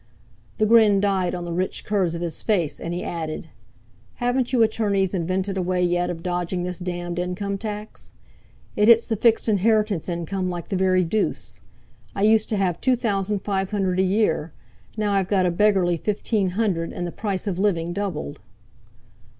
The grin died on the rich curves of his face, and he added: "Haven't you attorneys invented a way yet of dodging this damned income tax? It hits the fixed inherited income like the very deuce. I used to have two thousand five hundred a year; now I've got a beggarly fifteen hundred, and the price of living doubled."